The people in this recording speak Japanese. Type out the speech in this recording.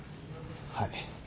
はい。